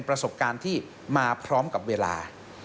ประสบการณ์ที่มาพร้อมกับเวลา